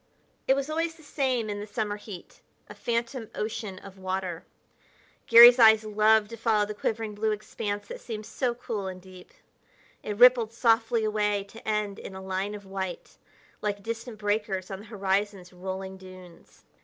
It was always the same in the summer heat a phantom ocean of water. Garry's eyes loved to follow the quivering blue expanse that seemed so cool and deep. It rippled softly away to end in a line of white, like distant breakers on the horizon's rolling dunes.